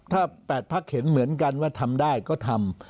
ถ้า๘พักเห็นเหมือนกันว่าทำได้ก็ทำ